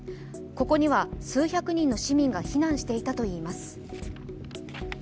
ここには数百人の市民が避難していたといいます。